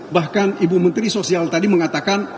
bahkan ibu menteri sosial tadi mengatakan